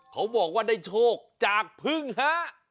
เขาบอกว่าได้โชคจากพึ่งฮะ